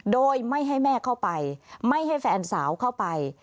โดยไม่ให้แม่เข้าไปไม่ให้แฟนสาวเข้าไป